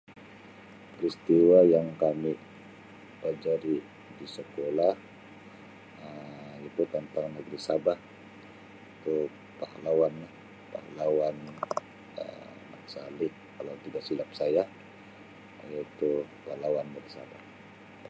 Peristiwa yang kami belajar di sekolah Um itu tantang negeri Sabah tu pahlawan pahlawan Um Mat Salleh kalau tidak silap saya iaitu pahlawan negeri Sabah.